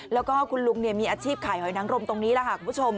แล้วก็คุณลุงมีอาชีพขายหอยนังรมตรงนี้ค่ะ